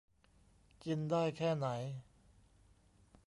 กินได้แค่ไหน